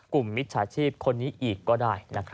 มิจฉาชีพคนนี้อีกก็ได้